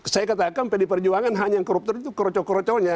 saya katakan pdi perjuangan hanya yang korupter itu kuroco kuroconya